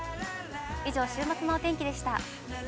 以上、週末のお天気でした。